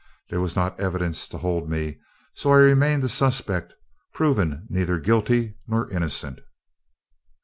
There was not evidence to hold me, so I remained a suspect, proven neither guilty nor innocent.